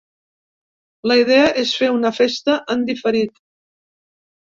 La idea és fer una festa en diferit.